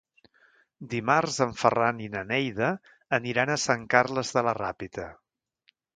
Dimarts en Ferran i na Neida aniran a Sant Carles de la Ràpita.